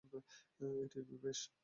এটির ব্যাস।